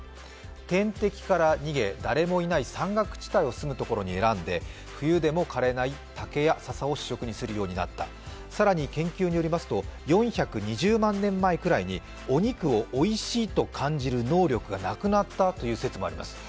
天敵から逃げて誰もいない山岳地帯を住むところに選んで冬でも枯れない、竹やささを主食にするようになった更に研究によりますと、４２０万年前くらいにお肉をおいしいと感じる能力がなくなったという説もあります。